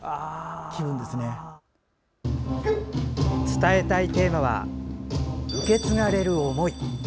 伝えたいテーマは「受け継がれる想い」。